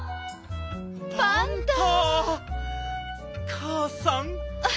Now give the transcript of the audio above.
かあさん。